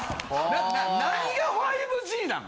何が５Ｇなの？